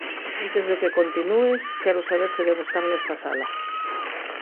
“Antes de que continúes, quero saber se debo estar nesta sala.